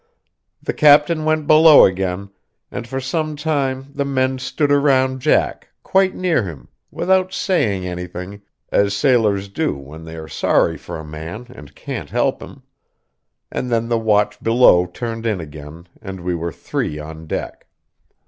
The captain went below again, and for some time the men stood around Jack, quite near him, without saying anything, as sailors do when they are sorry for a man and can't help him; and then the watch below turned in again, and we were three on deck.